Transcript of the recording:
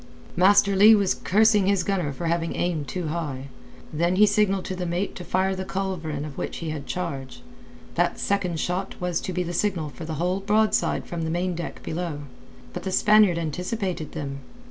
Master Leigh was cursing his gunner for having aimed too high. Then he signalled to the mate to fire the culverin of which he had charge. That second shot was to be the signal for the whole broadside from the main deck below. But the Spaniard anticipated them.